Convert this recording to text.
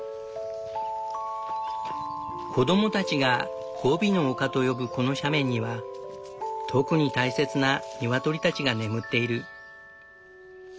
子供たちが「ゴビの丘」と呼ぶこの斜面には特に大切なニワトリたちが眠っている。